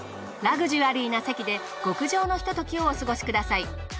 ラグジュアリーな席で極上のひとときをお過ごしください。